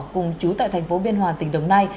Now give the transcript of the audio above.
cùng chú tại thành phố biên hòa tỉnh đồng nai